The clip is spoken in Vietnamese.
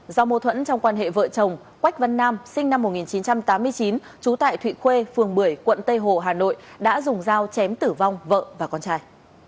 do mâu thuẫn trong quan hệ vợ chồng quách văn nam sinh năm một nghìn chín trăm tám mươi chín trú tại thụy khuê phường bưởi quận tây hồ hà nội đã dùng dao chém tử vong vợ và con trai